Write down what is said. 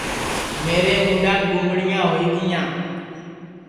میرے مُڈؔام گُمڑیاں ہوئی گیاں